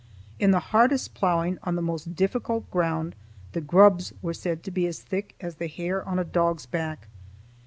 In the hardest ploughing on the most difficult ground, the grubs were said to be as thick as the hair on a dog's back.